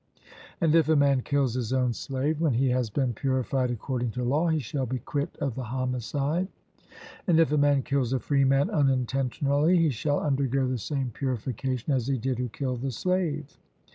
And if a man kills his own slave, when he has been purified according to law, he shall be quit of the homicide. And if a man kills a freeman unintentionally, he shall undergo the same purification as he did who killed the slave.